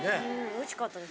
おいしかったです。